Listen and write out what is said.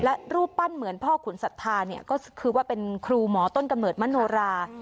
และรูปปั้นเหมือนพ่อขุนศรัทธาเนี่ยก็คือว่าเป็นครูหมอต้นกำเนิดมโนรา